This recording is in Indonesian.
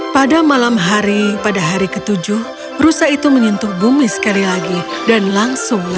pada malam hari pada hari ketujuh rusa itu menyentuh bumi sekali lagi dan langsung lelah